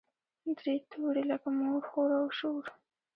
درې توري لکه مور، خور او شور.